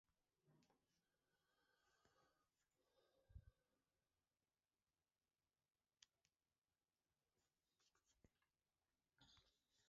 Gertakariak bidaiaren segurtasun planean aldaketarik egitera behartzen ez zuela ziurtatu du iturriak.